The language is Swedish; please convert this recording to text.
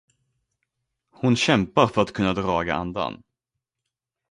Hon kämpar för att kunna draga andan.